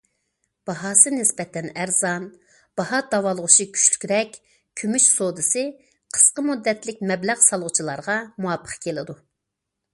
باھاسى نىسبەتەن ئەرزان، باھا داۋالغۇشى كۈچلۈكرەك كۈمۈش سودىسى قىسقا مۇددەتلىك مەبلەغ سالغۇچىلارغا مۇۋاپىق كېلىدۇ.